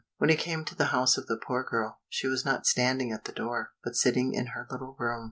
When he came to the house of the poor girl, she was not standing at the door, but sitting in her little room.